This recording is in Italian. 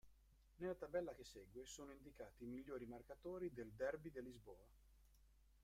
Nella tabella che segue, sono indicati i migliori marcatori del Derby de Lisboa.